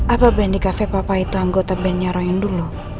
apa band di cafe papa itu anggota bandnya rohingya dulu